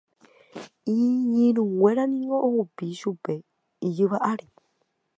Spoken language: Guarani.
Iñirũnguéra niko ohupi chupe ijyva ári.